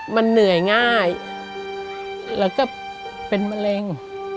มันเหนื่อยง่ายแล้วก็เป็นมะเร็ง